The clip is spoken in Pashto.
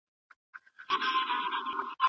د هغه لاسونه د سخت کار نښه وه.